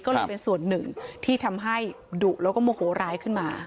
ก็เลยเป็นส่วนหนึ่งที่ทำให้ดุแล้วก็โมโหร้ายขึ้นมา